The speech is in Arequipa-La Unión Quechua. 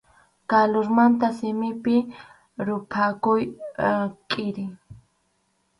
Kalurmanta simipi ruphakuq kʼiri.